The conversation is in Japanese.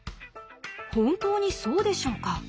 本当にそうでしょうか？